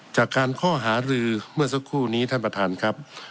จากการข้อหารือเมื่อสักครู่นี้ท่านประธานครับ